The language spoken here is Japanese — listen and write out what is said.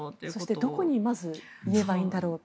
そして、どこにまず言えばいいんだろうと。